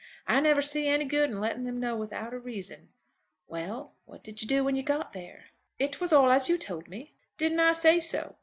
I never see any good in letting them know without a reason. Well; what did you do when you got there?" "It was all as you told me." "Didn't I say so?